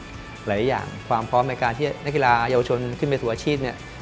หลายอย่างความพร้อมในการที่นักกีฬาเยาวชนขึ้นไปสู่อาชีพเนี่ย